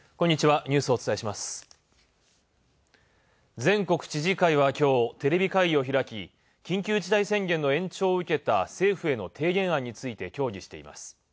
全国知事会は今日、テレビ会議を開き緊急事態宣言の延長を受けた政府への提言案について協議しています。